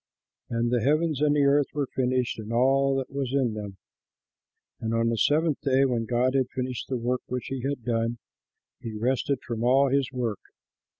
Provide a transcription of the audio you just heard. And the heavens and the earth were finished and all that there was in them. And on the seventh day when God had finished the work which he had done, he rested from all his work.